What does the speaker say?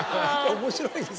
面白いですよ。